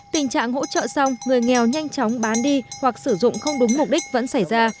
tình trạng hỗ trợ xong người nghèo nhanh chóng bán đi hoặc sử dụng không đúng mục đích vẫn xảy ra